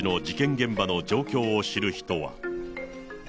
現場の状況を知る人は。